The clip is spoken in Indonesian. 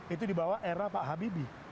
itu di bawah era pak habibie